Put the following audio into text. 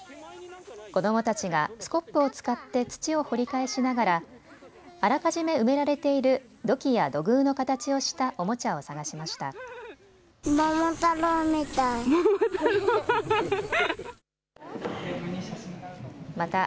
子どもたちたちがスコップを使って土を掘り返しながらあらかじめ埋められている土器や土偶の形をしたおもちゃを探しました。